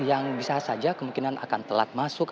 yang bisa saja kemungkinan akan telat masuk